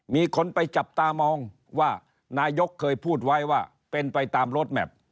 มีคนไปจับตามองว่านายกเคยพูดไว้ว่าเป็นไปตามรถแมพ